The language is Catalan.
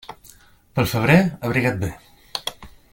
Pel febrer abriga't bé.